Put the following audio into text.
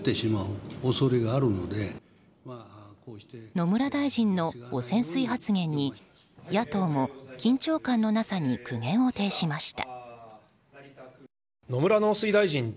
野村大臣の汚染水発言に野党も緊張感のなさに苦言を呈しました。